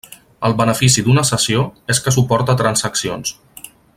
El benefici d'una sessió és que suporta transaccions.